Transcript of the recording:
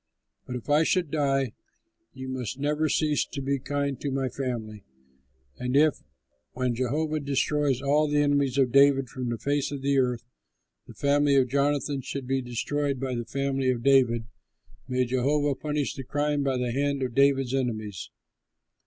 But if I should die, you must never cease to be kind to my family. And if, when Jehovah destroys all the enemies of David from the face of the earth, the family of Jonathan should be destroyed by the family of David, may Jehovah punish the crime by the hand of David's enemies."